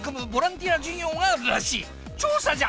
調査じゃ！